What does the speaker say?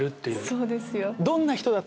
そうですよ。